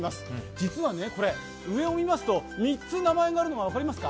実は上を見ますと３つ名前があるのが分かりますか。